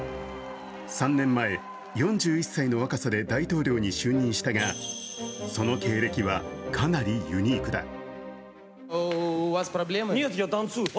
３年前、４１歳の若さで大統領に就任したがその経歴は、かなりユニークだ。